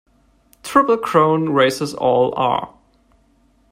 Triple Crown races all are.